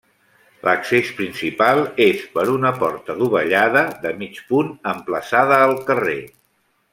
L'accés principal és per una porta dovellada de mig punt emplaçada al carrer.